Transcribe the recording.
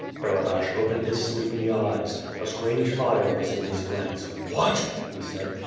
Barabash opened his sleepy eyes. A strange fire was in his glance. "What?" he said.